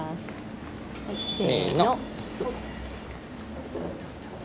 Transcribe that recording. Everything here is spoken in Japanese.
せの。